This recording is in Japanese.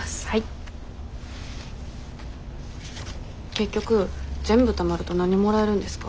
結局全部たまると何もらえるんですか？